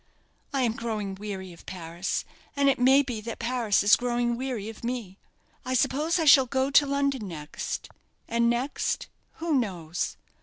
I am growing weary of Paris, and it may be that Paris is growing weary of me. I suppose I shall go to London next. And next? Who knows?